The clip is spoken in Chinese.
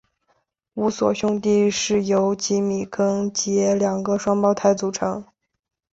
乌索兄弟是由吉米跟杰两个双胞胎组成。